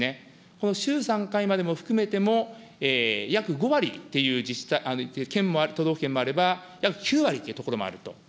この週３回までも含めても、約５割っていう都道府県もあれば、約９割という所もあると。